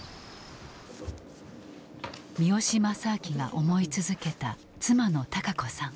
三好正顕が思い続けた妻の孝子さん。